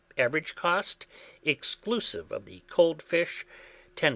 Average cost, exclusive of the cold fish, 10d.